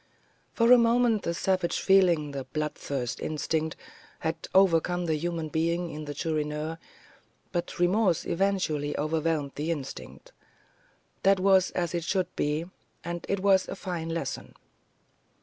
For a moment the savage feeling, the bloodthirsty instinct, had overcome the human being in the Chourineur; but remorse eventually overwhelmed the instinct. That was as it should be, and it was a fine lesson.